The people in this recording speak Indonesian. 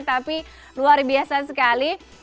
tapi luar biasa sekali